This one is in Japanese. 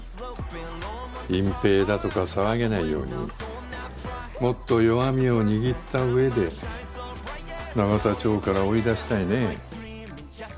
隠蔽だとか騒げないようにもっと弱みを握ったうえで永田町から追い出したいね。